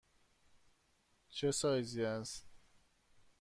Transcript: چه سایزی است؟